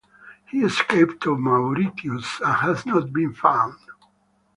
He escaped to Mauritius and has not been found.